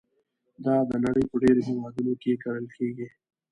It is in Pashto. دا د نړۍ په ډېرو هېوادونو کې کرل کېږي.